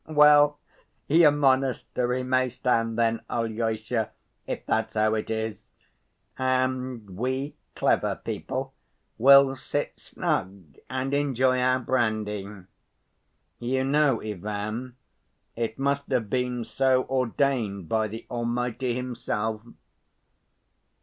"Well, your monastery may stand then, Alyosha, if that's how it is. And we clever people will sit snug and enjoy our brandy. You know, Ivan, it must have been so ordained by the Almighty Himself.